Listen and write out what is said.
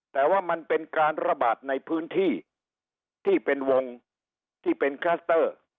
แต่ว่ามันเป็นการระบาดในพื้นที่ที่เป็นวงที่เป็นคลัสเตอร์